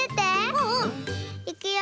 うんうん。いくよ！